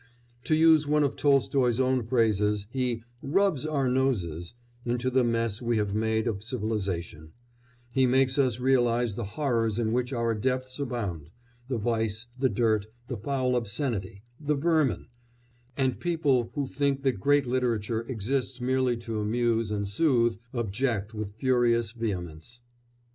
To use one of Tolstoy's own phrases, he "rubs our noses" into the mess we have made of civilisation; he makes us realise the horrors in which our depths abound the vice, the dirt, the foul obscenity, the vermin and people who think that great literature exists merely to amuse and soothe object with furious vehemence.